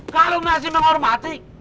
kalau masih menghormati